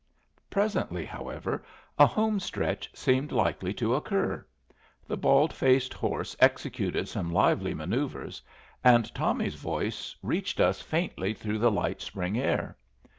Presently, however, a homestretch seemed likely to occur. The bald faced horse executed some lively manoeuvres, and Tommy's voice reached us faintly through the light spring air.